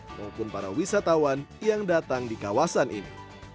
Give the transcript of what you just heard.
maupun para wisatawan yang datang di kawasan ini